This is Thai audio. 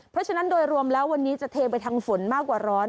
เพราะฉะนั้นโดยรวมแล้ววันนี้จะเทไปทางฝนมากกว่าร้อน